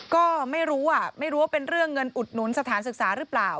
ก็ไม่รู้ไม่รู้ว่าเป็นเรื่องเงินอุดหนุนสถานศึกษาหรือเปล่า